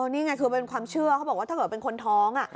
นี่ไงคือเป็นความเชื่อเขาบอกว่าถ้าเกิดเป็นคนท้อง